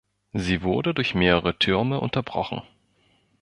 Sie wurde durch mehrere Türme unterbrochen.